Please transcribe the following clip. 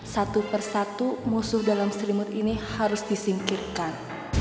satu persatu musuh dalam selimut ini harus disingkirkan